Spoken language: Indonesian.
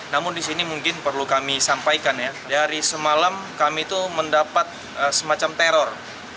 namun di sini mungkin perlu kami sampaikan ya dari semalam kami itu mendapat semacam teror